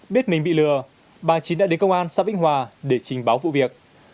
bếp mình bị lừa bà chín đã đến công an sa vĩnh hòa để trình báo vụ việc